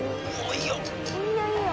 ・いいよいいよ。